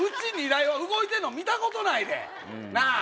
２台は動いてんの見たことないでなあ